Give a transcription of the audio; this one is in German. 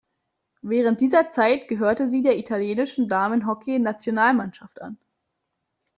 Während dieser Zeit gehörte sie der italienischen Damen-Hockey-Nationalmannschaft an.